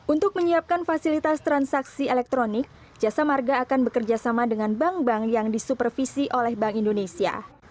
untuk menyiapkan fasilitas transaksi elektronik jasa marga akan bekerjasama dengan bank bank yang disupervisi oleh bank indonesia